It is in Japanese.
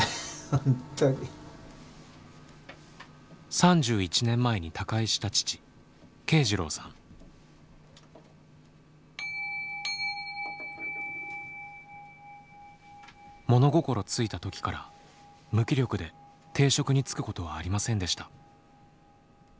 ３１年前に他界した物心ついた時から無気力で定職に就くことはありませんでした。